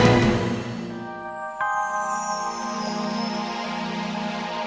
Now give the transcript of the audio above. menjaga kemampuan bapak